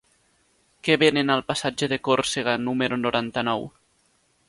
Què venen al passatge de Còrsega número noranta-nou?